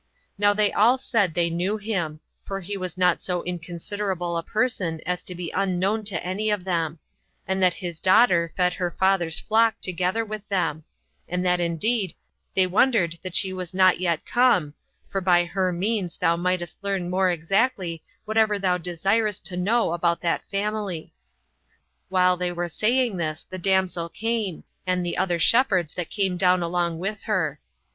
Now they all said they knew him, for he was not so inconsiderable a person as to be unknown to any of them; and that his daughter fed her father's flock together with them; and that indeed they wondered that she was not yet come, for by her means thou mightest learn more exactly whatever thou desirest to know about that family. While they were saying this the damsel came, and the other shepherds that came down along with her.